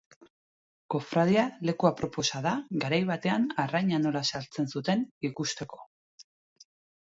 Kofradia leku aproposa da garai batean arraina nola saltzen zuten ikusteko.